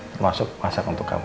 termasuk masak untuk kamu